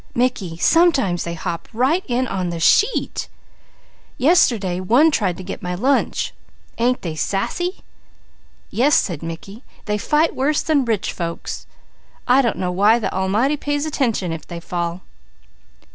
Mickey, sometimes they hop right in on the sheet. Yest'day one tried to get my lunch. Ain't they sassy?" "Yes," said Mickey. "They fight worse than rich folks. I don't know why the Almighty pays attention if they fall."